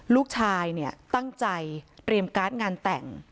ลูกชายเนี่ยตั้งใจเตรียมการ์ดงานแต่ง